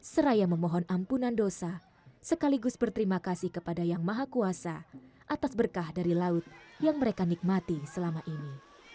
seraya memohon ampunan dosa sekaligus berterima kasih kepada yang maha kuasa atas berkah dari laut yang mereka nikmati selama ini